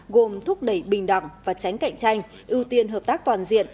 gồm thúc đẩy bình đẳng và tránh cạnh tranh ưu tiên hợp tác toàn diện